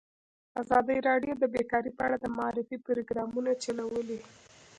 ازادي راډیو د بیکاري په اړه د معارفې پروګرامونه چلولي.